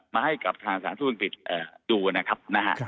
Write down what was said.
มาให้ขับทางสถานทรวงศรีปิดดูนะครับ